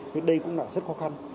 thế đây cũng là rất khó khăn